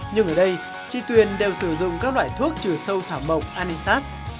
nhưng ở đây chị tuyền đều sử dụng các loại thuốc trừ sâu thảm mộng anisat